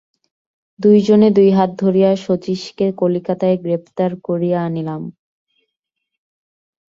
দুইজনে দুই হাত ধরিয়া শচীশকে কলিকাতায় গ্রেপ্তার করিয়া আনিলাম।